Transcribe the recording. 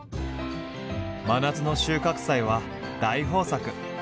真夏の収穫祭は大豊作！